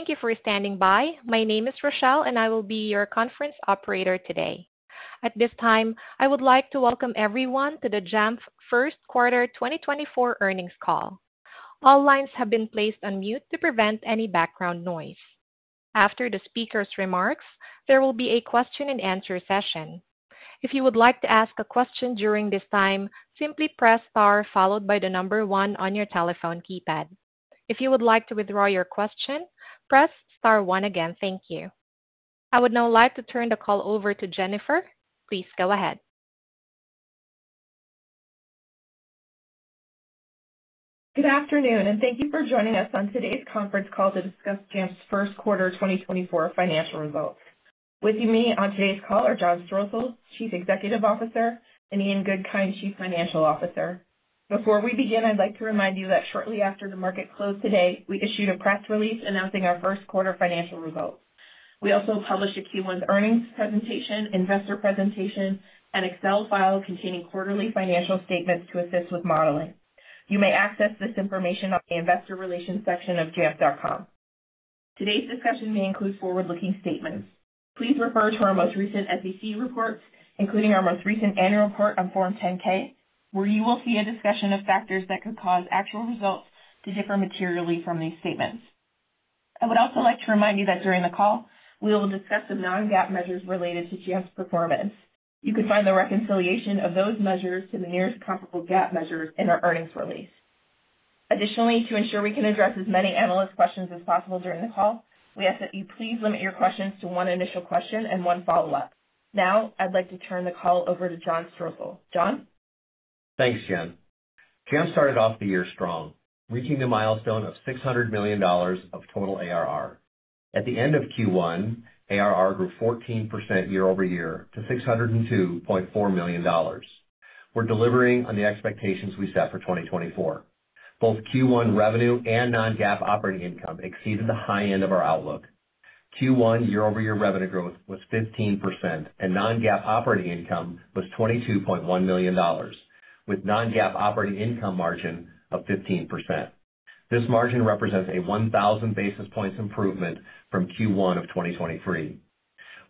Thank you for standing by. My name is Rochelle, and I will be your conference operator today. At this time, I would like to welcome everyone to the Jamf First Quarter 2024 earnings call. All lines have been placed on mute to prevent any background noise. After the speaker's remarks, there will be a Q&A session. If you would like to ask a question during this time, simply press star followed by the number 1 on your telephone keypad. If you would like to withdraw your question, press star 1 again. Thank you. I would now like to turn the call over to Jennifer. Please go ahead. Good afternoon, and thank you for joining us on today's conference call to discuss Jamf's First Quarter 2024 financial results. With me on today's call are John Strosahl, Chief Executive Officer, and Ian Goodkind, Chief Financial Officer. Before we begin, I'd like to remind you that shortly after the market closed today, we issued a press release announcing our First Quarter financial results. We also published a Q1 earnings presentation, investor presentation, and Excel file containing quarterly financial statements to assist with modeling. You may access this information on the investor relations section of jamf.com. Today's discussion may include forward-looking statements. Please refer to our most recent SEC reports, including our most recent annual report on Form 10-K, where you will see a discussion of factors that could cause actual results to differ materially from these statements. I would also like to remind you that during the call, we will discuss some non-GAAP measures related to Jamf's performance. You could find the reconciliation of those measures to the nearest comparable GAAP measures in our earnings release. Additionally, to ensure we can address as many analyst questions as possible during the call, we ask that you please limit your questions to one initial question and one follow-up. Now, I'd like to turn the call over to John Strosahl. John? Thanks, Jen. Jamf started off the year strong, reaching the milestone of $600 million of total ARR. At the end of Q1, ARR grew 14% year-over-year to $602.4 million. We're delivering on the expectations we set for 2024. Both Q1 revenue and non-GAAP operating income exceeded the high end of our outlook. Q1 year-over-year revenue growth was 15%, and non-GAAP operating income was $22.1 million, with non-GAAP operating income margin of 15%. This margin represents a 1,000 basis points improvement from Q1 of 2023.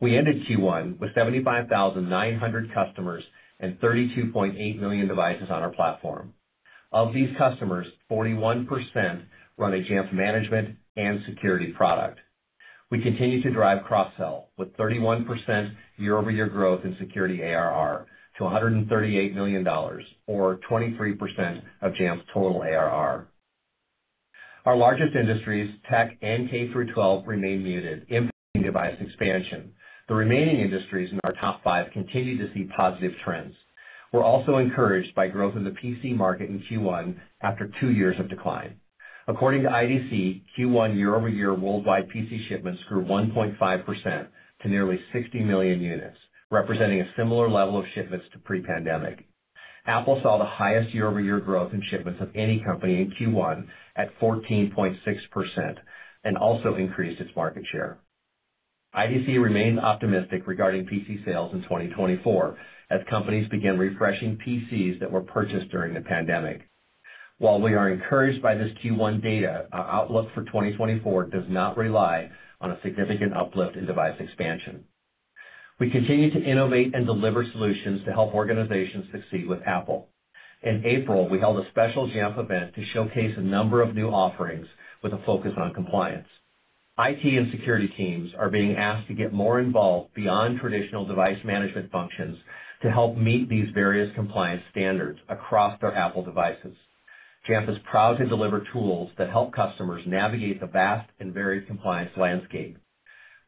We ended Q1 with 75,900 customers and 32.8 million devices on our platform. Of these customers, 41% run a Jamf management and security product. We continue to drive cross-sell, with 31% year-over-year growth in security ARR to $138 million, or 23% of Jamf's total ARR. Our largest industries, tech and K-12, remain muted, impacting device expansion. The remaining industries in our top five continue to see positive trends. We're also encouraged by growth in the PC market in Q1 after two years of decline. According to IDC, Q1 year-over-year worldwide PC shipments grew 1.5% to nearly 60 million units, representing a similar level of shipments to pre-pandemic. Apple saw the highest year-over-year growth in shipments of any company in Q1 at 14.6% and also increased its market share. IDC remains optimistic regarding PC sales in 2024 as companies begin refreshing PCs that were purchased during the pandemic. While we are encouraged by this Q1 data, our outlook for 2024 does not rely on a significant uplift in device expansion. We continue to innovate and deliver solutions to help organizations succeed with Apple. In April, we held a special Jamf event to showcase a number of new offerings with a focus on compliance. IT and security teams are being asked to get more involved beyond traditional device management functions to help meet these various compliance standards across their Apple devices. Jamf is proud to deliver tools that help customers navigate the vast and varied compliance landscape.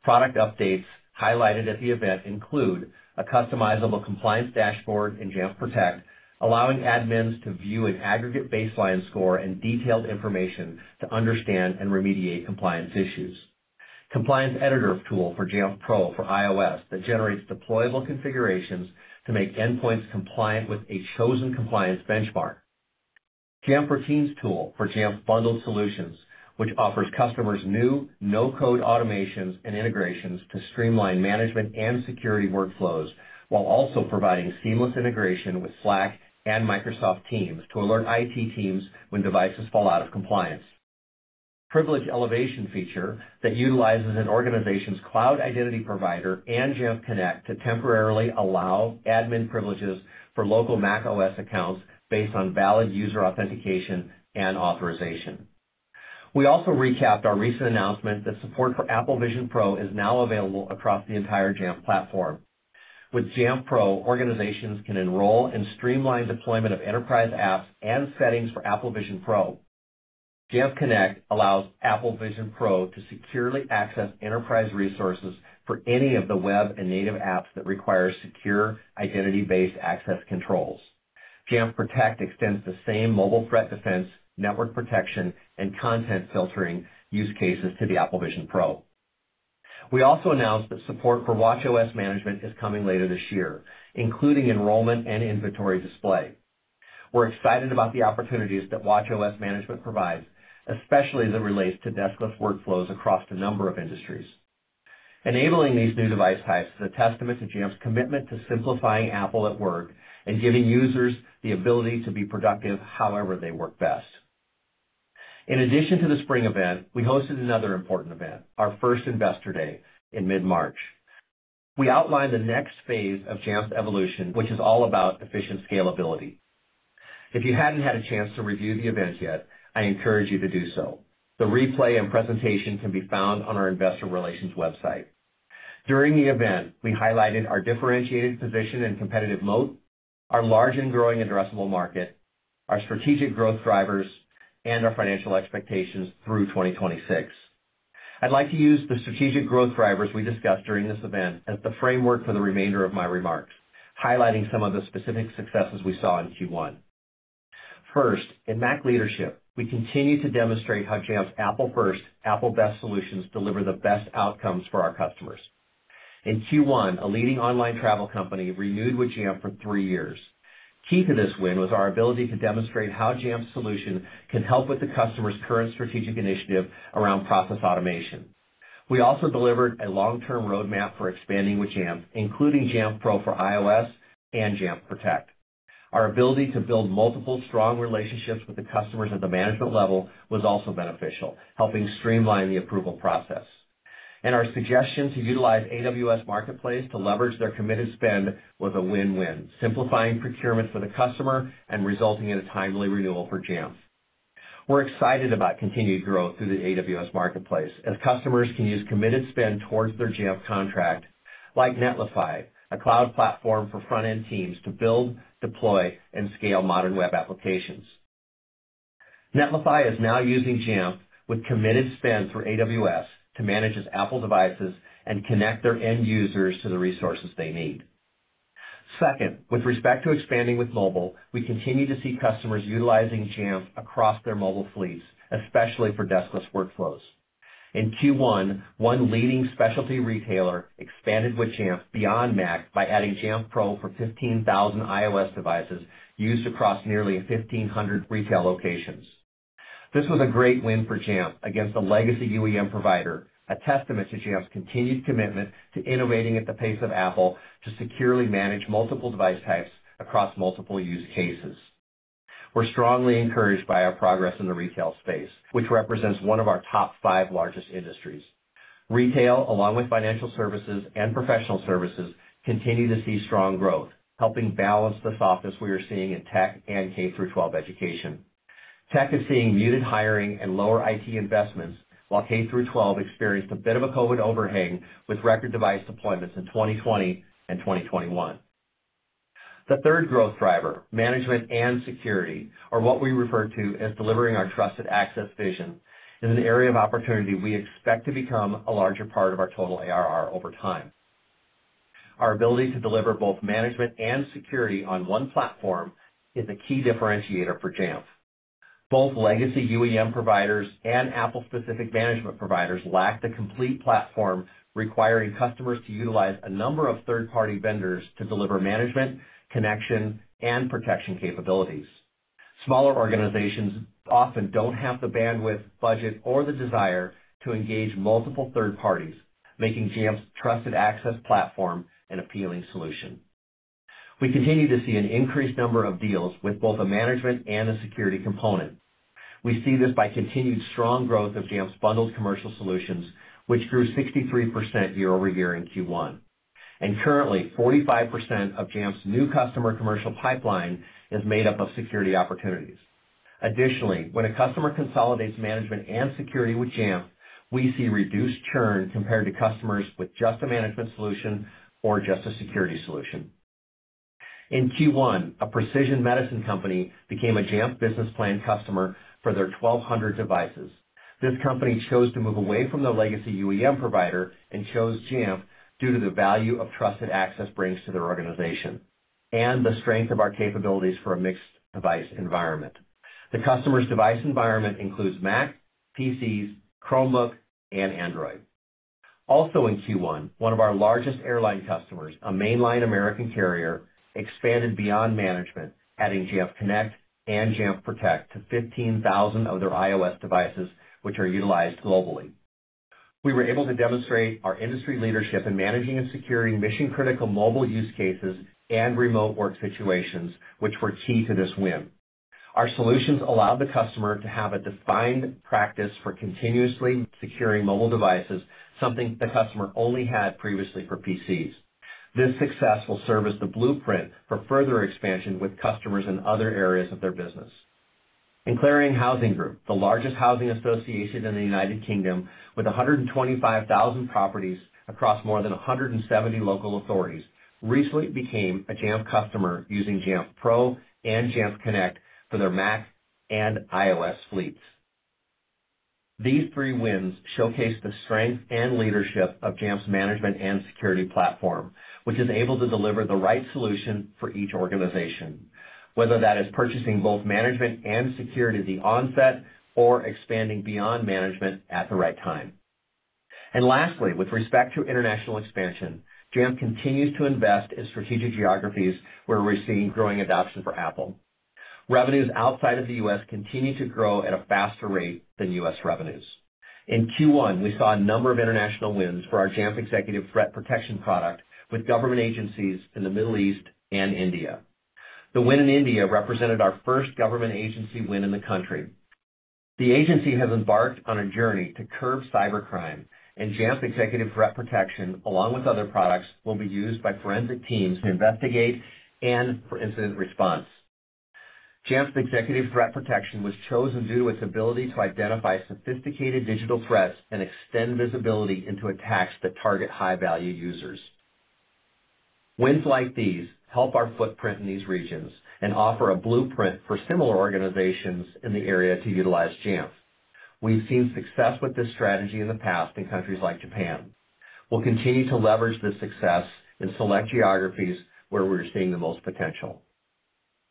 Product updates highlighted at the event include a customizable compliance dashboard in Jamf Protect, allowing admins to view an aggregate baseline score and detailed information to understand and remediate compliance issues. Compliance Editor tool for Jamf Pro for iOS that generates deployable configurations to make endpoints compliant with a chosen compliance benchmark. Jamf Routines tool for Jamf Bundled Solutions, which offers customers new no-code automations and integrations to streamline management and security workflows while also providing seamless integration with Slack and Microsoft Teams to alert IT teams when devices fall out of compliance. Privilege Elevation feature that utilizes an organization's cloud identity provider and Jamf Connect to temporarily allow admin privileges for local macOS accounts based on valid user authentication and authorization. We also recapped our recent announcement that support for Apple Vision Pro is now available across the entire Jamf platform. With Jamf Pro, organizations can enroll and streamline deployment of enterprise apps and settings for Apple Vision Pro. Jamf Connect allows Apple Vision Pro to securely access enterprise resources for any of the web and native apps that require secure identity-based access controls. Jamf Protect extends the same mobile threat defense, network protection, and content filtering use cases to the Apple Vision Pro. We also announced that support for watchOS management is coming later this year, including enrollment and inventory display. We're excited about the opportunities that watchOS management provides, especially as it relates to deskless workflows across a number of industries. Enabling these new device types is a testament to Jamf's commitment to simplifying Apple at work and giving users the ability to be productive however they work best. In addition to the spring event, we hosted another important event, our first investor day, in mid-March. We outlined the next phase of Jamf's evolution, which is all about efficient scalability. If you hadn't had a chance to review the event yet, I encourage you to do so. The replay and presentation can be found on our investor relations website. During the event, we highlighted our differentiated position in competitive moat, our large and growing addressable market, our strategic growth drivers, and our financial expectations through 2026. I'd like to use the strategic growth drivers we discussed during this event as the framework for the remainder of my remarks, highlighting some of the specific successes we saw in Q1. First, in Mac leadership, we continue to demonstrate how Jamf's Apple First, Apple Best solutions deliver the best outcomes for our customers. In Q1, a leading online travel company renewed with Jamf for three years. Key to this win was our ability to demonstrate how Jamf's solution can help with the customer's current strategic initiative around process automation. We also delivered a long-term roadmap for expanding with Jamf, including Jamf Pro for iOS and Jamf Protect. Our ability to build multiple strong relationships with the customers at the management level was also beneficial, helping streamline the approval process. Our suggestion to utilize AWS Marketplace to leverage their committed spend was a win-win, simplifying procurement for the customer and resulting in a timely renewal for Jamf. We're excited about continued growth through the AWS Marketplace as customers can use committed spend towards their Jamf contract, like Netlify, a cloud platform for front-end teams to build, deploy, and scale modern web applications. Netlify is now using Jamf with committed spend through AWS to manage its Apple devices and connect their end users to the resources they need. Second, with respect to expanding with mobile, we continue to see customers utilizing Jamf across their mobile fleets, especially for deskless workflows. In Q1, one leading specialty retailer expanded with Jamf beyond Mac by adding Jamf Pro for 15,000 iOS devices used across nearly 1,500 retail locations. This was a great win for Jamf against a legacy UEM provider, a testament to Jamf's continued commitment to innovating at the pace of Apple to securely manage multiple device types across multiple use cases. We're strongly encouraged by our progress in the retail space, which represents one of our top five largest industries. Retail, along with financial services and professional services, continue to see strong growth, helping balance the softness we are seeing in tech and K-12 education. Tech is seeing muted hiring and lower IT investments, while K-12 experienced a bit of a COVID overhang with record device deployments in 2020 and 2021. The third growth driver, management and security, or what we refer to as delivering our Trusted Access vision, is an area of opportunity we expect to become a larger part of our total ARR over time. Our ability to deliver both management and security on one platform is a key differentiator for Jamf. Both legacy UEM providers and Apple-specific management providers lack the complete platform requiring customers to utilize a number of third-party vendors to deliver management, connection, and protection capabilities. Smaller organizations often don't have the bandwidth, budget, or the desire to engage multiple third parties, making Jamf's Trusted Access platform an appealing solution. We continue to see an increased number of deals with both a management and a security component. We see this by continued strong growth of Jamf Bundled Solutions, which grew 63% year-over-year in Q1. Currently, 45% of Jamf's new customer commercial pipeline is made up of security opportunities. Additionally, when a customer consolidates management and security with Jamf, we see reduced churn compared to customers with just a management solution or just a security solution. In Q1, a precision medicine company became a Jamf Business Plan customer for their 1,200 devices. This company chose to move away from their legacy UEM provider and chose Jamf due to the value of Trusted Access brings to their organization and the strength of our capabilities for a mixed device environment. The customer's device environment includes Mac, PCs, Chromebook, and Android. Also in Q1, one of our largest airline customers, a mainline American carrier, expanded beyond management, adding Jamf Connect and Jamf Protect to 15,000 of their iOS devices, which are utilized globally. We were able to demonstrate our industry leadership in managing and securing mission-critical mobile use cases and remote work situations, which were key to this win. Our solutions allowed the customer to have a defined practice for continuously securing mobile devices, something the customer only had previously for PCs. This success will serve as the blueprint for further expansion with customers in other areas of their business. In Clarion Housing Group, the largest housing association in the United Kingdom with 125,000 properties across more than 170 local authorities, recently became a Jamf customer using Jamf Pro and Jamf Connect for their Mac and iOS fleets. These three wins showcase the strength and leadership of Jamf's management and security platform, which is able to deliver the right solution for each organization, whether that is purchasing both management and security at the onset or expanding beyond management at the right time. Lastly, with respect to international expansion, Jamf continues to invest in strategic geographies where we're seeing growing adoption for Apple. Revenues outside of the U.S. continue to grow at a faster rate than U.S. revenues. In Q1, we saw a number of international wins for our Jamf Executive Threat Protection product with government agencies in the Middle East and India. The win in India represented our first government agency win in the country. The agency has embarked on a journey to curb cybercrime, and Jamf Executive Threat Protection, along with other products, will be used by forensic teams to investigate and for incident response. Jamf's Executive Threat Protection was chosen due to its ability to identify sophisticated digital threats and extend visibility into attacks that target high-value users. Wins like these help our footprint in these regions and offer a blueprint for similar organizations in the area to utilize Jamf. We've seen success with this strategy in the past in countries like Japan. We'll continue to leverage this success in select geographies where we're seeing the most potential.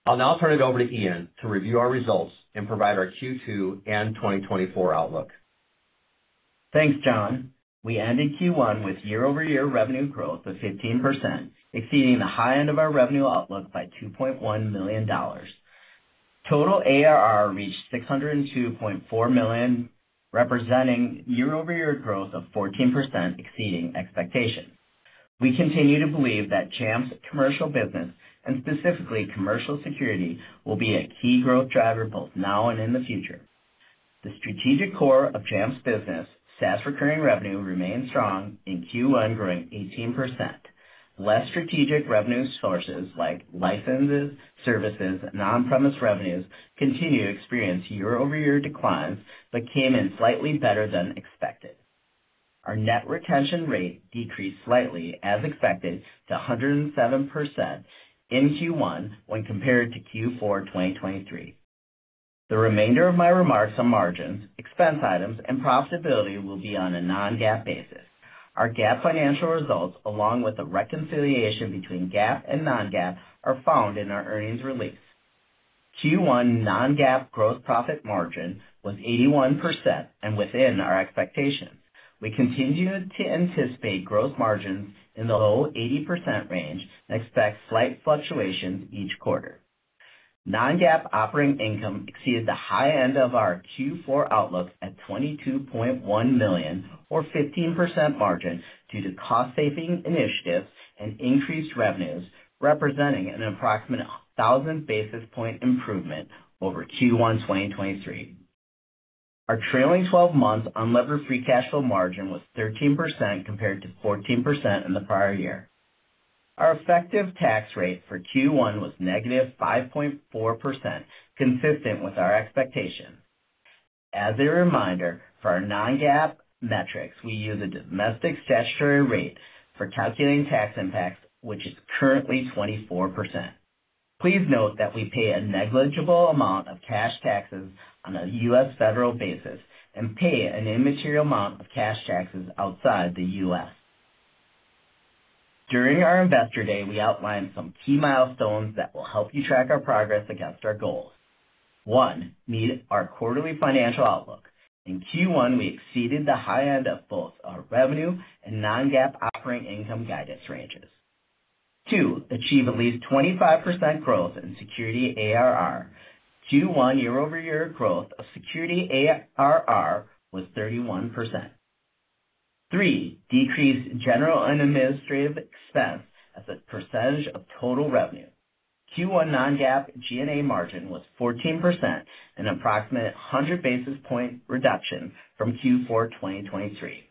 I'll now turn it over to Ian to review our results and provide our Q2 and 2024 outlook. Thanks, John. We ended Q1 with year-over-year revenue growth of 15%, exceeding the high end of our revenue outlook by $2.1 million. Total ARR reached $602.4 million, representing year-over-year growth of 14%, exceeding expectations. We continue to believe that Jamf's commercial business, and specifically commercial security, will be a key growth driver both now and in the future. The strategic core of Jamf's business, SaaS recurring revenue, remains strong in Q1, growing 18%. Less strategic revenue sources, like licenses, services, and on-premise revenues, continue to experience year-over-year declines but came in slightly better than expected. Our net retention rate decreased slightly, as expected, to 107% in Q1 when compared to Q4 2023. The remainder of my remarks on margins, expense items, and profitability will be on a Non-GAAP basis. Our GAAP financial results, along with the reconciliation between GAAP and Non-GAAP, are found in our earnings release. Q1 non-GAAP gross profit margin was 81% and within our expectations. We continue to anticipate gross margins in the low 80% range and expect slight fluctuations each quarter. Non-GAAP operating income exceeded the high end of our Q4 outlook at $22.1 million, or 15% margin, due to cost-saving initiatives and increased revenues, representing an approximate 1,000 basis point improvement over Q1 2023. Our trailing 12 months unlevered free cash flow margin was 13% compared to 14% in the prior year. Our effective tax rate for Q1 was -5.4%, consistent with our expectations. As a reminder, for our non-GAAP metrics, we use a domestic statutory rate for calculating tax impacts, which is currently 24%. Please note that we pay a negligible amount of cash taxes on a US federal basis and pay an immaterial amount of cash taxes outside the US. During our investor day, we outlined some key milestones that will help you track our progress against our goals. One, meet our quarterly financial outlook. In Q1, we exceeded the high end of both our revenue and non-GAAP operating income guidance ranges. Two, achieve at least 25% growth in security ARR. Q1 year-over-year growth of security ARR was 31%. Three, decrease general and administrative expense as a percentage of total revenue. Q1 non-GAAP G&A margin was 14%, an approximate 100 basis point reduction from Q4 2023.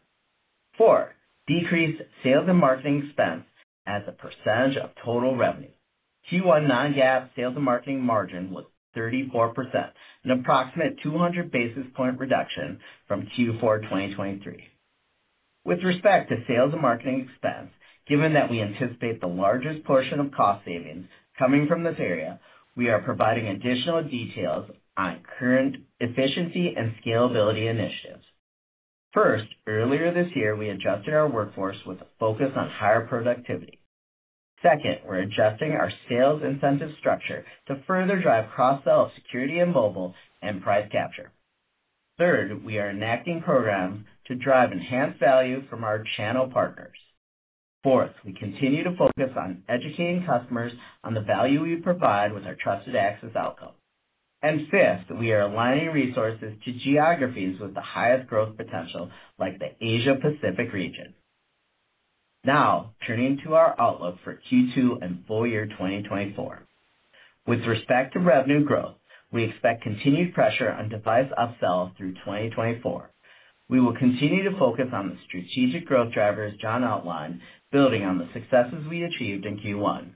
Four, decrease sales and marketing expense as a percentage of total revenue. Q1 non-GAAP sales and marketing margin was 34%, an approximate 200 basis point reduction from Q4 2023. With respect to sales and marketing expense, given that we anticipate the largest portion of cost savings coming from this area, we are providing additional details on current efficiency and scalability initiatives. First, earlier this year, we adjusted our workforce with a focus on higher productivity. Second, we're adjusting our sales incentive structure to further drive cross-sell of security and mobile and price capture. Third, we are enacting programs to drive enhanced value from our channel partners. Fourth, we continue to focus on educating customers on the value we provide with our Trusted Access outcomes. And fifth, we are aligning resources to geographies with the highest growth potential, like the Asia-Pacific region. Now, turning to our outlook for Q2 and full year 2024. With respect to revenue growth, we expect continued pressure on device upsell through 2024. We will continue to focus on the strategic growth drivers John outlined, building on the successes we achieved in Q1.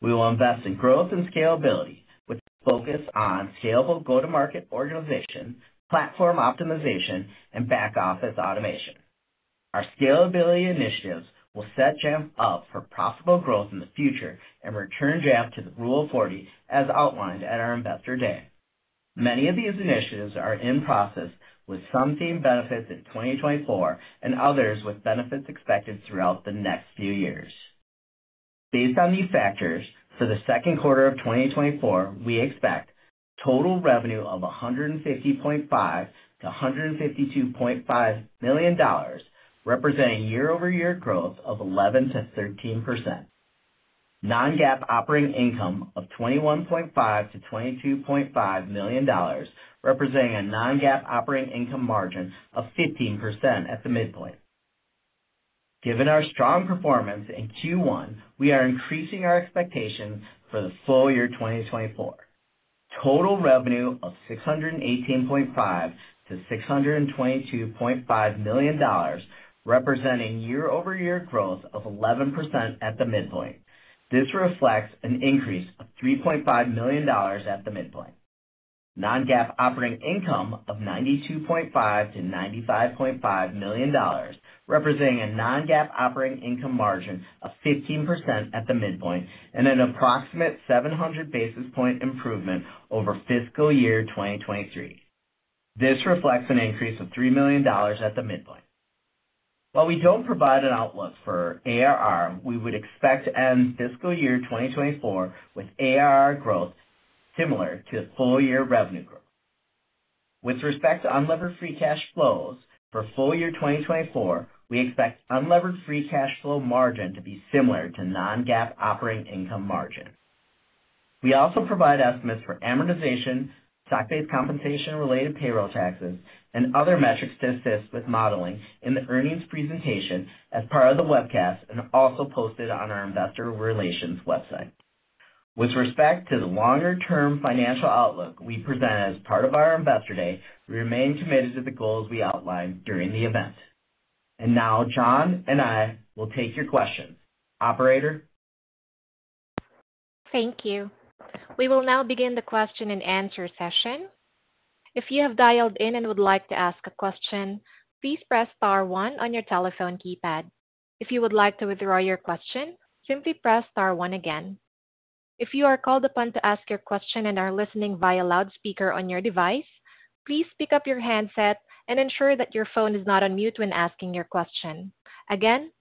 We will invest in growth and scalability with a focus on scalable go-to-market organization, platform optimization, and back-office automation. Our scalability initiatives will set Jamf up for profitable growth in the future and return Jamf to the Rule 40, as outlined at our investor day. Many of these initiatives are in process, with some being benefits in 2024 and others with benefits expected throughout the next few years. Based on these factors, for the second quarter of 2024, we expect total revenue of $150.5-$152.5 million, representing year-over-year growth of 11%-13%. Non-GAAP operating income of $21.5-$22.5 million, representing a non-GAAP operating income margin of 15% at the midpoint. Given our strong performance in Q1, we are increasing our expectations for the full year 2024. Total revenue of $618.5-$622.5 million, representing year-over-year growth of 11% at the midpoint. This reflects an increase of $3.5 million at the midpoint. Non-GAAP operating income of $92.5-$95.5 million, representing a non-GAAP operating income margin of 15% at the midpoint and an approximate 700 basis point improvement over fiscal year 2023. This reflects an increase of $3 million at the midpoint. While we don't provide an outlook for ARR, we would expect to end fiscal year 2024 with ARR growth similar to full year revenue growth. With respect to unlevered free cash flows for full year 2024, we expect unlevered free cash flow margin to be similar to non-GAAP operating income margin. We also provide estimates for amortization, stock-based compensation-related payroll taxes, and other metrics to assist with modeling in the earnings presentation as part of the webcast and also posted on our investor relations website. With respect to the longer-term financial outlook we present as part of our investor day, we remain committed to the goals we outlined during the event. Now, John and I will take your questions. Operator. Thank you. We will now begin the question and answer session. If you have dialed in and would like to ask a question, please press star one on your telephone keypad. If you would like to withdraw your question, simply press star one again. If you are called upon to ask your question and are listening via loudspeaker on your device, please pick up your handset and ensure that your phone is not on mute when asking your question. Again,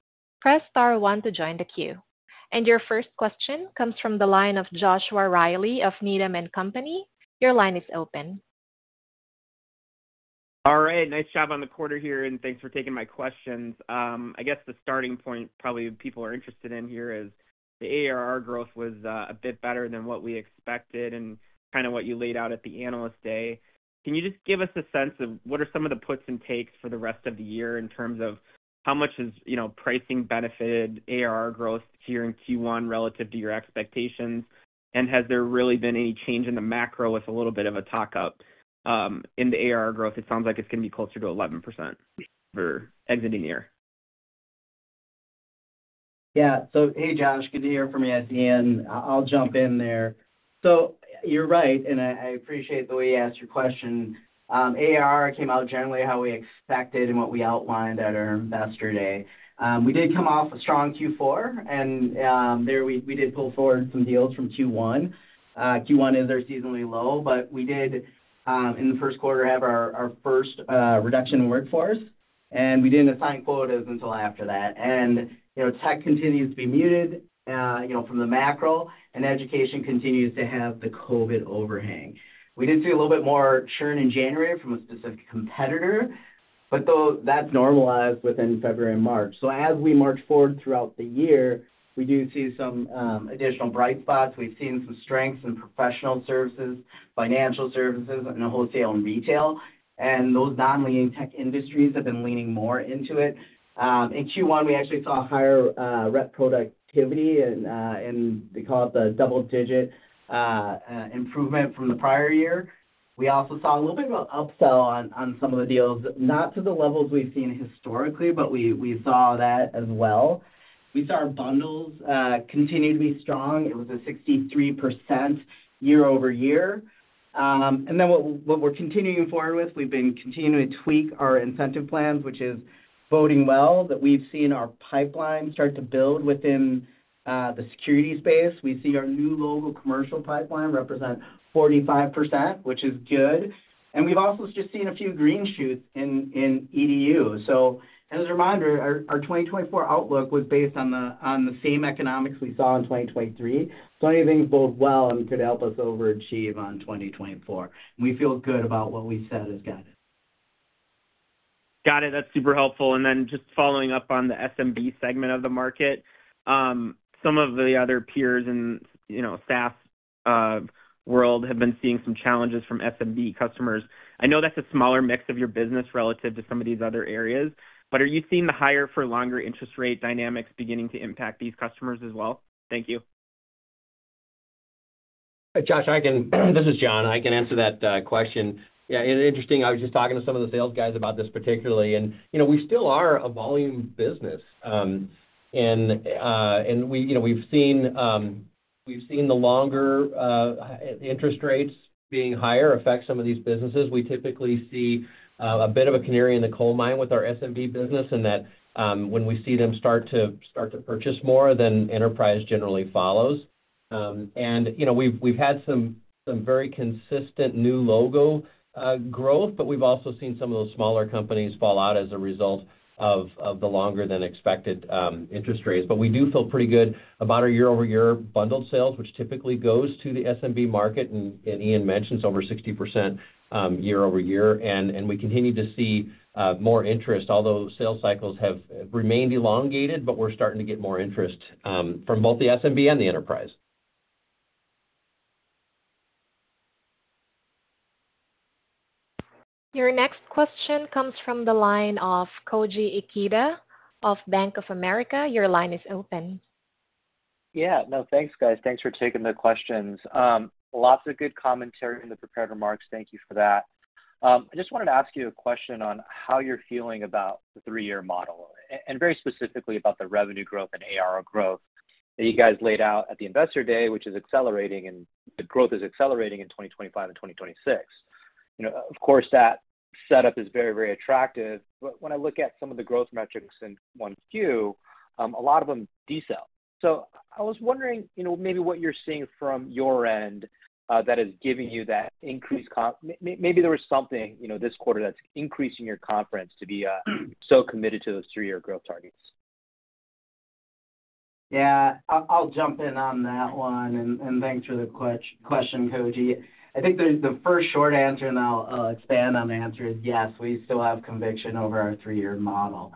press star one to join the queue. Your first question comes from the line of Joshua Reilly of Needham & Company. Your line is open. All right. Nice job on the quarter here, and thanks for taking my questions. I guess the starting point probably people are interested in here is the ARR growth was a bit better than what we expected and kind of what you laid out at the analyst day. Can you just give us a sense of what are some of the puts and takes for the rest of the year in terms of how much has pricing benefited ARR growth here in Q1 relative to your expectations, and has there really been any change in the macro with a little bit of a tick-up in the ARR growth? It sounds like it's going to be closer to 11% for exiting the year. Yeah. So hey, Josh. Good to hear from you at the end. I'll jump in there. So you're right, and I appreciate the way you asked your question. ARR came out generally how we expected and what we outlined at our investor day. We did come off a strong Q4, and there we did pull forward some deals from Q1. Q1 is our seasonally low, but we did, in the first quarter, have our first reduction in workforce, and we didn't assign quotas until after that. And tech continues to be muted from the macro, and education continues to have the COVID overhang. We did see a little bit more churn in January from a specific competitor, but that's normalized within February and March. So as we march forward throughout the year, we do see some additional bright spots. We've seen some strengths in professional services, financial services, and wholesale and retail. Those non-tech leaning industries have been leaning more into it. In Q1, we actually saw higher productivity, and that's a double-digit improvement from the prior year. We also saw a little bit of an upsell on some of the deals, not to the levels we've seen historically, but we saw that as well. We saw our bundles continue to be strong. It was a 63% year-over-year. And then what we're continuing forward with, we've been continuing to tweak our incentive plans, which is working well that we've seen our pipeline start to build within the security space. We see our new logo commercial pipeline represent 45%, which is good. And we've also just seen a few green shoots in EDU. As a reminder, our 2024 outlook was based on the same economics we saw in 2023. Anything bode well and could help us overachieve on 2024. We feel good about what we said as guidance. Got it. That's super helpful. And then just following up on the SMB segment of the market, some of the other peers in SaaS world have been seeing some challenges from SMB customers. I know that's a smaller mix of your business relative to some of these other areas, but are you seeing the higher-for-longer interest rate dynamics beginning to impact these customers as well? Thank you. Josh, this is John. I can answer that question. Yeah, interesting. I was just talking to some of the sales guys about this particularly, and we still are a volume business. We've seen the longer interest rates being higher affect some of these businesses. We typically see a bit of a canary in the coal mine with our SMB business in that when we see them start to purchase more, then enterprise generally follows. We've had some very consistent new logo growth, but we've also seen some of those smaller companies fall out as a result of the longer-than-expected interest rates. We do feel pretty good about our year-over-year bundled sales, which typically goes to the SMB market, and Ian mentioned it's over 60% year-over-year. We continue to see more interest, although sales cycles have remained elongated, but we're starting to get more interest from both the SMB and the enterprise. Your next question comes from the line of Koji Ikeda of Bank of America. Your line is open. Yeah. No, thanks, guys. Thanks for taking the questions. Lots of good commentary in the prepared remarks. Thank you for that. I just wanted to ask you a question on how you're feeling about the three-year model, and very specifically about the revenue growth and ARR growth that you guys laid out at the investor day, which is accelerating, and the growth is accelerating in 2025 and 2026. Of course, that setup is very, very attractive, but when I look at some of the growth metrics in Q1, a lot of them decel. So I was wondering maybe what you're seeing from your end that is giving you that increased maybe there was something this quarter that's increasing your confidence to be so committed to those three-year growth targets. Yeah. I'll jump in on that one, and thanks for the question, Koji. I think the first short answer, and I'll expand on the answer, is yes, we still have conviction over our three-year model.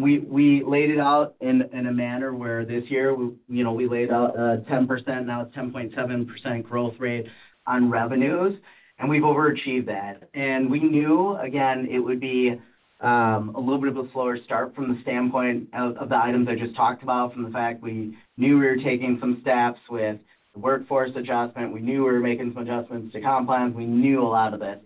We laid it out in a manner where this year we laid out 10%. Now it's 10.7% growth rate on revenues, and we've overachieved that. And we knew, again, it would be a little bit of a slower start from the standpoint of the items I just talked about, from the fact we knew we were taking some steps with the workforce adjustment. We knew we were making some adjustments to compliance. We knew a lot of this.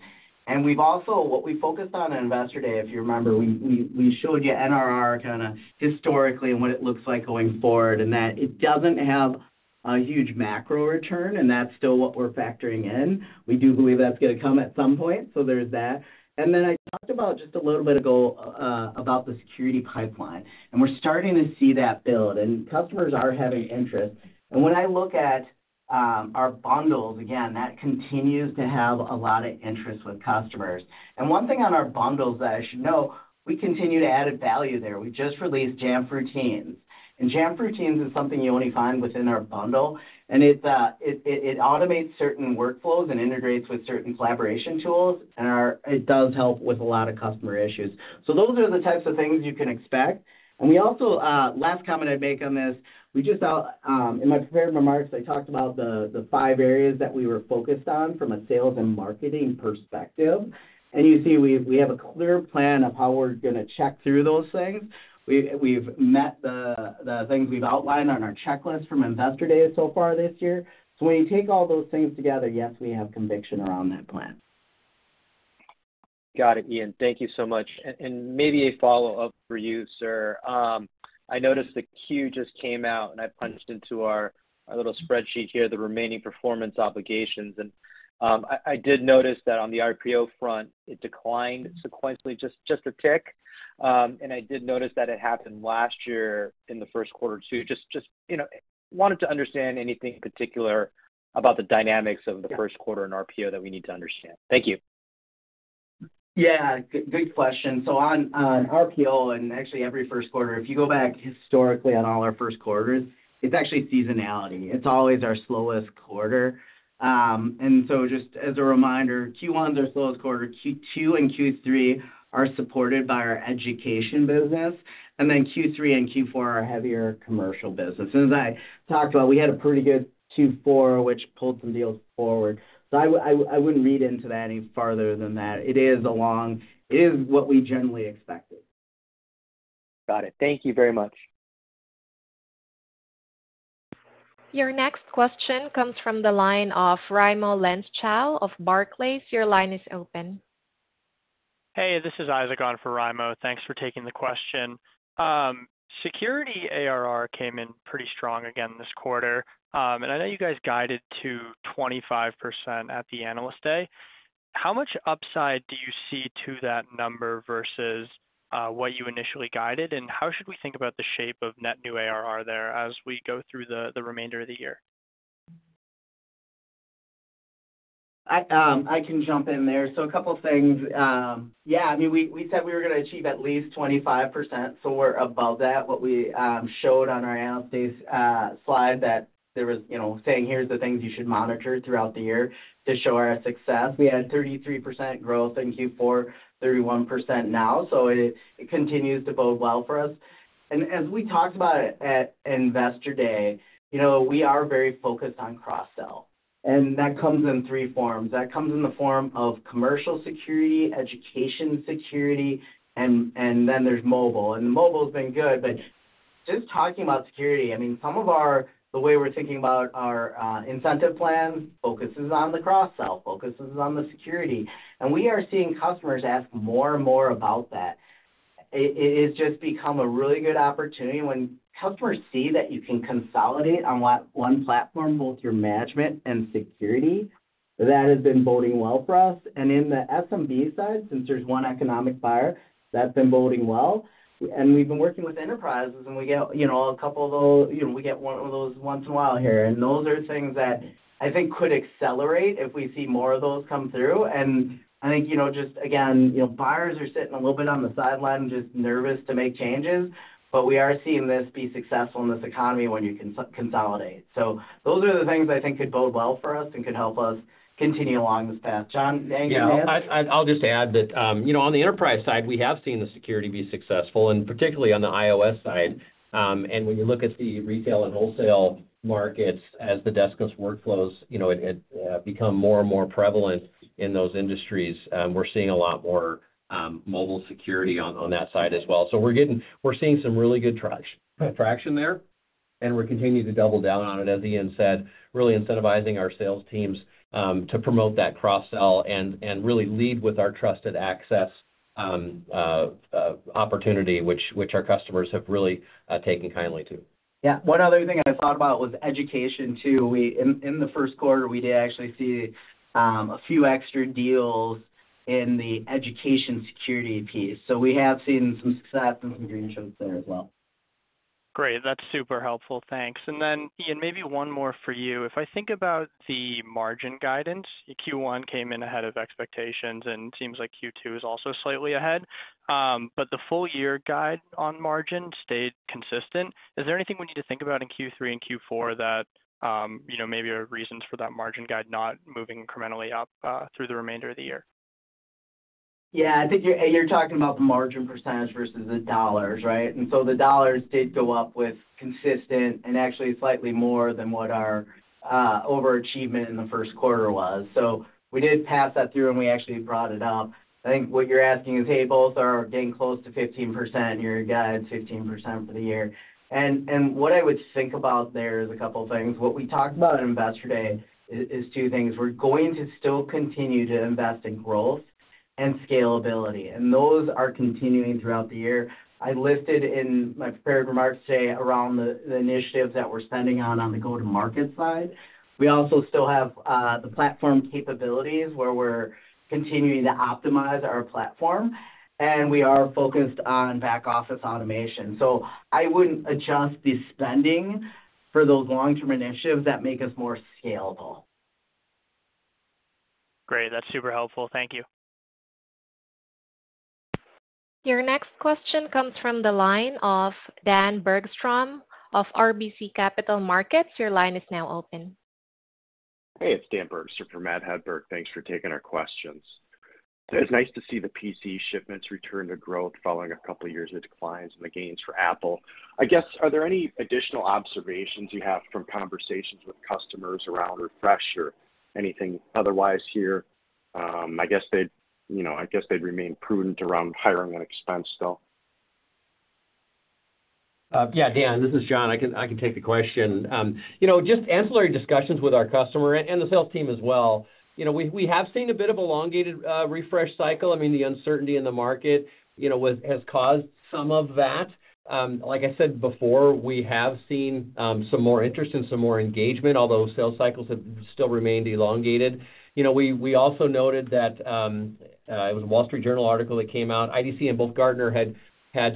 What we focused on on investor day, if you remember, we showed you NRR kind of historically and what it looks like going forward and that it doesn't have a huge macro return, and that's still what we're factoring in. We do believe that's going to come at some point, so there's that. Then I talked about just a little bit ago about the security pipeline, and we're starting to see that build, and customers are having interest. When I look at our bundles, again, that continues to have a lot of interest with customers. One thing on our bundles that I should know, we continue to add value there. We just released Jamf Routines. Jamf Routines is something you only find within our bundle, and it automates certain workflows and integrates with certain collaboration tools, and it does help with a lot of customer issues. So those are the types of things you can expect. Last comment I'd make on this, in my prepared remarks, I talked about the five areas that we were focused on from a sales and marketing perspective. You see we have a clear plan of how we're going to check through those things. We've met the things we've outlined on our checklist from investor day so far this year. So when you take all those things together, yes, we have conviction around that plan. Got it, Ian. Thank you so much. Maybe a follow-up for you, sir. I noticed the queue just came out, and I punched into our little spreadsheet here, the remaining performance obligations. I did notice that on the RPO front, it declined sequentially, just a tick. I did notice that it happened last year in the first quarter too. Just wanted to understand anything in particular about the dynamics of the first quarter in RPO that we need to understand. Thank you. Yeah. Good question. So on RPO and actually every first quarter, if you go back historically on all our first quarters, it's actually seasonality. It's always our slowest quarter. And so just as a reminder, Q1 is our slowest quarter. Q2 and Q3 are supported by our education business, and then Q3 and Q4 are heavier commercial business. And as I talked about, we had a pretty good Q4, which pulled some deals forward. So I wouldn't read into that any farther than that. It is what we generally expected. Got it. Thank you very much. Your next question comes from the line of Raimo Lenschow of Barclays. Your line is open. Hey, this is Isaac on for Raimo. Thanks for taking the question. Security ARR came in pretty strong again this quarter, and I know you guys guided to 25% at the Analyst Day. How much upside do you see to that number versus what you initially guided, and how should we think about the shape of net new ARR there as we go through the remainder of the year? I can jump in there. So a couple of things. Yeah. I mean, we said we were going to achieve at least 25%, so we're above that. What we showed on our Analyst Day slide that there was saying, "Here's the things you should monitor throughout the year to show our success." We had 33% growth in Q4, 31% now, so it continues to bode well for us. And as we talked about at Investor Day, we are very focused on cross-sell, and that comes in three forms. That comes in the form of commercial security, education security, and then there's mobile. And the mobile has been good, but just talking about security, I mean, the way we're thinking about our incentive plans focuses on the cross-sell, focuses on the security. And we are seeing customers ask more and more about that. It has just become a really good opportunity when customers see that you can consolidate on one platform both your management and security. That has been bode well for us. And in the SMB side, since there's one economic buyer, that's been bode well. And we've been working with enterprises, and we get a couple of those, we get one of those once in a while here. And those are things that I think could accelerate if we see more of those come through. And I think just, again, buyers are sitting a little bit on the sideline and just nervous to make changes, but we are seeing this be successful in this economy when you consolidate. So those are the things I think could bode well for us and could help us continue along this path. John, anything to add? Yeah. I'll just add that on the enterprise side, we have seen the security be successful, and particularly on the iOS side. And when you look at the retail and wholesale markets as the deskless workflows become more and more prevalent in those industries, we're seeing a lot more mobile security on that side as well. So we're seeing some really good traction there, and we're continuing to double down on it, as Ian said, really incentivizing our sales teams to promote that cross-sell and really lead with our Trusted Access opportunity, which our customers have really taken kindly to. Yeah. One other thing I thought about was education too. In the first quarter, we did actually see a few extra deals in the education security piece. So we have seen some success and some green shoots there as well. Great. That's super helpful. Thanks. And then, Ian, maybe one more for you. If I think about the margin guidance, Q1 came in ahead of expectations, and it seems like Q2 is also slightly ahead. But the full-year guide on margin stayed consistent. Is there anything we need to think about in Q3 and Q4 that maybe are reasons for that margin guide not moving incrementally up through the remainder of the year? Yeah. I think you're talking about the margin percentage versus the dollars, right? And so the dollars did go up with consistent and actually slightly more than what our overachievement in the first quarter was. So we did pass that through, and we actually brought it up. I think what you're asking is, "Hey, both are getting close to 15% in your guides, 15% for the year." And what I would think about there is a couple of things. What we talked about on investor day is two things. We're going to still continue to invest in growth and scalability, and those are continuing throughout the year. I listed in my prepared remarks today around the initiatives that we're spending on the go-to-market side. We also still have the platform capabilities where we're continuing to optimize our platform, and we are focused on back-office automation. So I wouldn't adjust the spending for those long-term initiatives that make us more scalable. Great. That's super helpful. Thank you. Your next question comes from the line of Dan Bergstrom of RBC Capital Markets. Your line is now open. Hey, it's Dan Bergstrom from RBC Capital Markets. Thanks for taking our questions. It's nice to see the PC shipments return to growth following a couple of years of declines and the gains for Apple. I guess, are there any additional observations you have from conversations with customers around refresh or anything otherwise here? I guess they'd remain prudent around hiring and expense still. Yeah, Dan. This is John. I can take the question. Just ancillary discussions with our customer and the sales team as well. We have seen a bit of an elongated refresh cycle. I mean, the uncertainty in the market has caused some of that. Like I said before, we have seen some more interest and some more engagement, although sales cycles have still remained elongated. We also noted that it was a Wall Street Journal article that came out. IDC and both Gartner had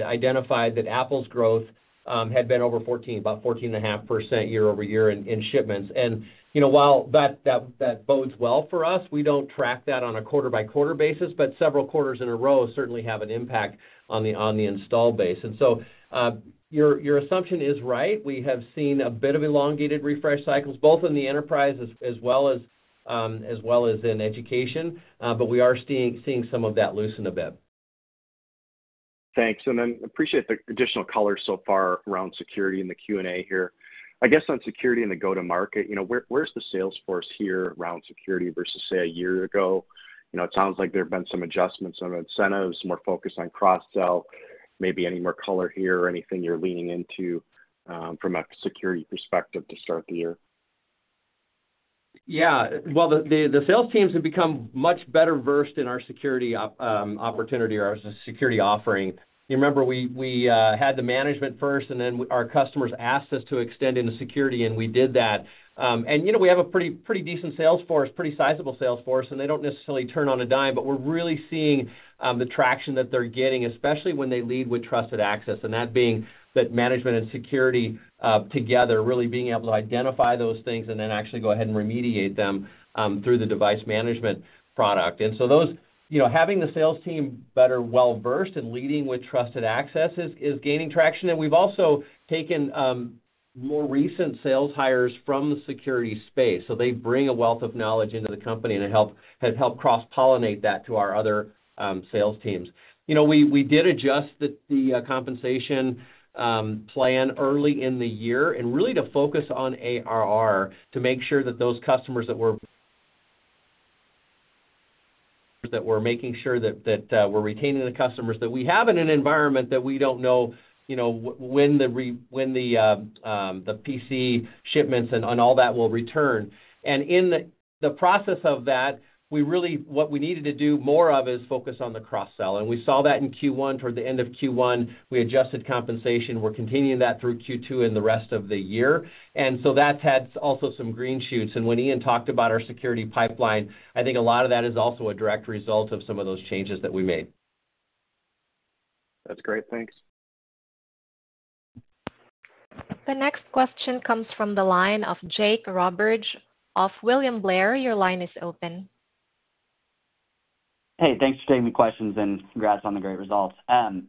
identified that Apple's growth had been over 14, about 14.5% year-over-year in shipments. And while that bodes well for us, we don't track that on a quarter-by-quarter basis, but several quarters in a row certainly have an impact on the install base. And so your assumption is right. We have seen a bit of elongated refresh cycles, both in the enterprise as well as in education, but we are seeing some of that loosen a bit. Thanks. And then appreciate the additional color so far around security in the Q&A here. I guess on security and the go-to-market, where's the sales force here around security versus, say, a year ago? It sounds like there have been some adjustments, some incentives, more focus on cross-sell. Maybe any more color here or anything you're leaning into from a security perspective to start the year? Yeah. Well, the sales teams have become much better versed in our security opportunity or our security offering. You remember, we had the management first, and then our customers asked us to extend into security, and we did that. And we have a pretty decent sales force, pretty sizable sales force, and they don't necessarily turn on a dime, but we're really seeing the traction that they're getting, especially when they lead with Trusted Access, and that being that management and security together, really being able to identify those things and then actually go ahead and remediate them through the device management product. And so having the sales team better, well-versed, and leading with Trusted Access is gaining traction. And we've also taken more recent sales hires from the security space, so they bring a wealth of knowledge into the company and have helped cross-pollinate that to our other sales teams. We did adjust the compensation plan early in the year and really to focus on ARR to make sure that those customers that were making sure that we're retaining the customers that we have in an environment that we don't know when the PC shipments and all that will return. And in the process of that, what we needed to do more of is focus on the cross-sell. And we saw that in Q1. Toward the end of Q1, we adjusted compensation. We're continuing that through Q2 and the rest of the year. And so that's had also some green shoots. When Ian talked about our security pipeline, I think a lot of that is also a direct result of some of those changes that we made. That's great. Thanks. The next question comes from the line of Jake Roberge of William Blair. Your line is open. Hey. Thanks for taking the questions, and congrats on the great results. I'm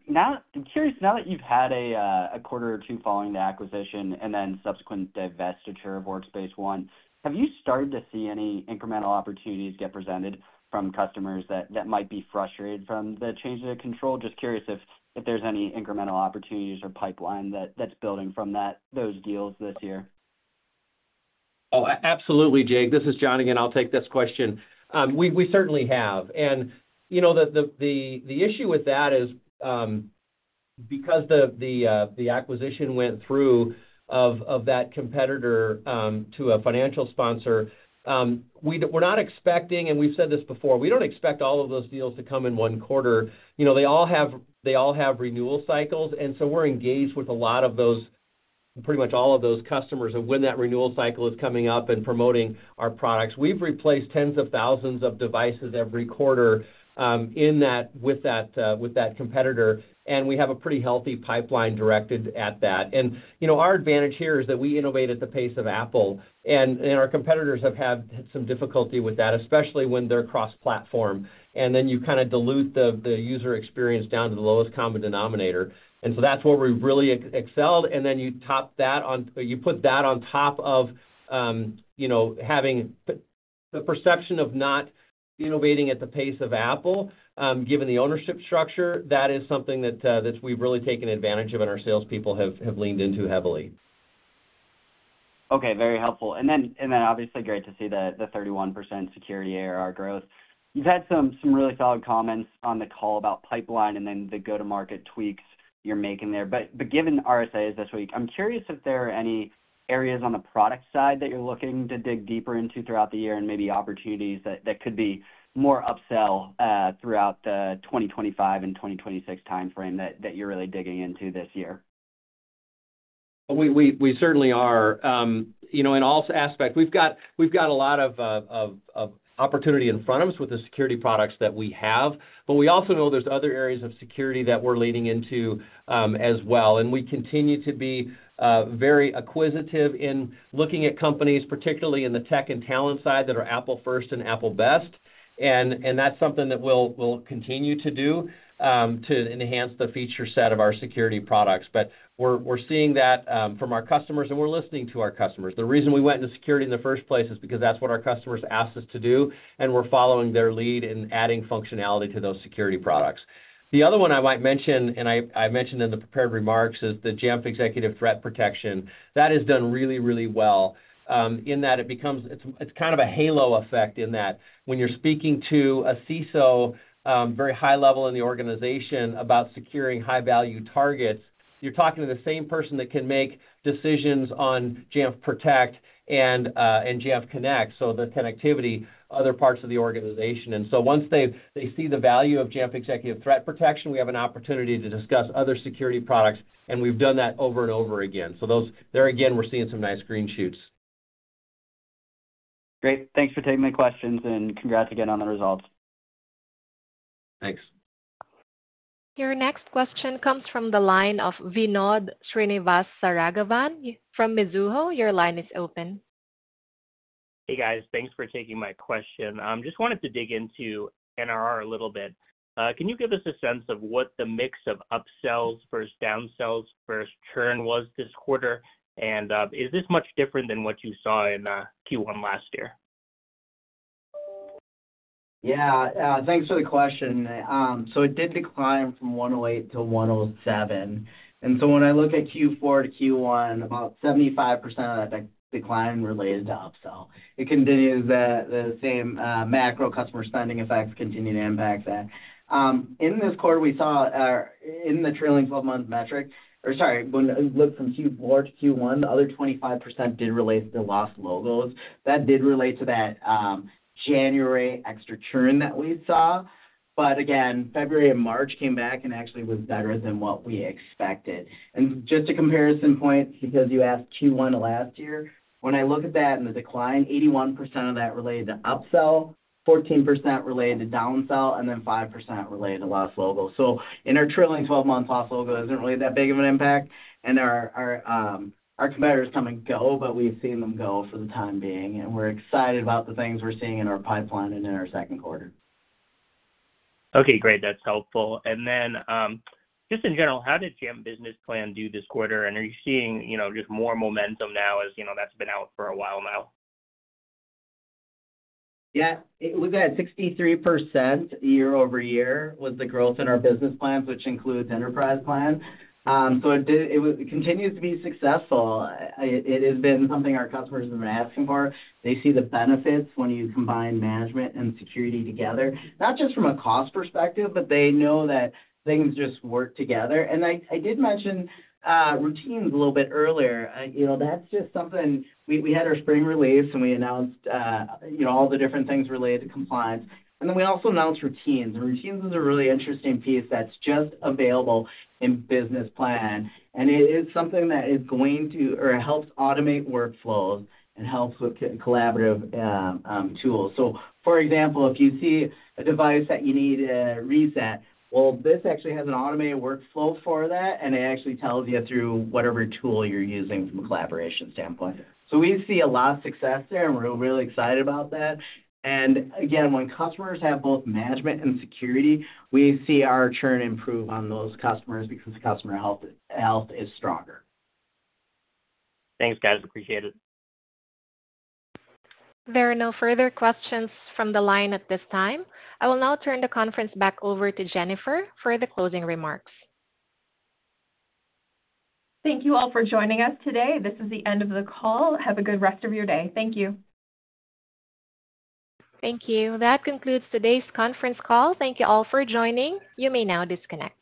curious, now that you've had a quarter or two following the acquisition and then subsequent divestiture of Workspace ONE, have you started to see any incremental opportunities get presented from customers that might be frustrated from the change in control? Just curious if there's any incremental opportunities or pipeline that's building from those deals this year. Oh, absolutely, Jake. This is John again. I'll take this question. We certainly have. And the issue with that is because the acquisition went through of that competitor to a financial sponsor, we're not expecting and we've said this before, we don't expect all of those deals to come in one quarter. They all have renewal cycles, and so we're engaged with a lot of those, pretty much all of those customers, and when that renewal cycle is coming up and promoting our products. We've replaced tens of thousands of devices every quarter with that competitor, and we have a pretty healthy pipeline directed at that. And our advantage here is that we innovate at the pace of Apple, and our competitors have had some difficulty with that, especially when they're cross-platform, and then you kind of dilute the user experience down to the lowest common denominator. That's where we've really excelled. Then you top that on you put that on top of having the perception of not innovating at the pace of Apple, given the ownership structure. That is something that we've really taken advantage of, and our salespeople have leaned into heavily. Okay. Very helpful. And then, obviously, great to see the 31% security ARR growth. You've had some really solid comments on the call about pipeline and then the go-to-market tweaks you're making there. But given RSA this week, I'm curious if there are any areas on the product side that you're looking to dig deeper into throughout the year and maybe opportunities that could be more upsell throughout the 2025 and 2026 timeframe that you're really digging into this year? We certainly are. In all aspects, we've got a lot of opportunity in front of us with the security products that we have, but we also know there's other areas of security that we're leading into as well. And we continue to be very acquisitive in looking at companies, particularly in the tech and talent side, that are Apple-first and Apple-best. And that's something that we'll continue to do to enhance the feature set of our security products. But we're seeing that from our customers, and we're listening to our customers. The reason we went into security in the first place is because that's what our customers asked us to do, and we're following their lead and adding functionality to those security products. The other one I might mention, and I mentioned in the prepared remarks, is the Jamf Executive Threat Protection. That has done really, really well in that it becomes it's kind of a halo effect in that when you're speaking to a CISO, very high level in the organization, about securing high-value targets, you're talking to the same person that can make decisions on Jamf Protect and Jamf Connect, so the connectivity, other parts of the organization. And so once they see the value of Jamf Executive Threat Protection, we have an opportunity to discuss other security products, and we've done that over and over again. So there, again, we're seeing some nice green shoots. Great. Thanks for taking the questions, and congrats again on the results. Thanks. Your next question comes from the line of Your line is open. Hey, guys. Thanks for taking my question. Just wanted to dig into NRR a little bit. Can you give us a sense of what the mix of upsells versus downsells versus churn was this quarter, and is this much different than what you saw in Q1 last year? Yeah. Thanks for the question. So it did decline from 108 to 107. And so when I look at Q4 to Q1, about 75% of that decline related to upsell. It continues the same macro customer spending effects continue to impact that. In this quarter, we saw in the trailing 12-month metric or sorry, when I looked from Q4 to Q1, the other 25% did relate to the lost logos. That did relate to that January extra churn that we saw. But again, February and March came back and actually was better than what we expected. And just a comparison point, because you asked Q1 of last year, when I look at that and the decline, 81% of that related to upsell, 14% related to downsell, and then 5% related to lost logos. So in our trailing 12-month, lost logos isn't really that big of an impact. Our competitors come and go, but we've seen them go for the time being. We're excited about the things we're seeing in our pipeline and in our second quarter. Okay. Great. That's helpful. And then just in general, how did Jamf Business Plan do this quarter? And are you seeing just more momentum now as that's been out for a while now? Yeah. We've had 63% year-over-year was the growth in our Business Plans, which includes enterprise plans. So it continues to be successful. It has been something our customers have been asking for. They see the benefits when you combine management and security together, not just from a cost perspective, but they know that things just work together. And I did mention Routines a little bit earlier. That's just something we had our spring release, and we announced all the different things related to compliance. And then we also announced Routines. And Routines is a really interesting piece that's just available in Business Plan. And it is something that is going to or helps automate workflows and helps with collaborative tools. So, for example, if you see a device that you need a reset, well, this actually has an automated workflow for that, and it actually tells you through whatever tool you're using from a collaboration standpoint. So we see a lot of success there, and we're really excited about that. And again, when customers have both management and security, we see our churn improve on those customers because the customer health is stronger. Thanks, guys. Appreciate it. There are no further questions from the line at this time. I will now turn the conference back over to Jennifer for the closing remarks. Thank you all for joining us today. This is the end of the call. Have a good rest of your day. Thank you. Thank you. That concludes today's conference call. Thank you all for joining. You may now disconnect.